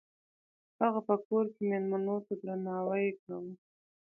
هغه په کور کې میلمنو ته درناوی کاوه.